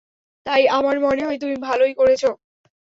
তাই আমার মনে হয় তুমি ভালোই করেছো।